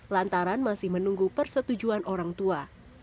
lantaran masih menunggu persetujuan orang tua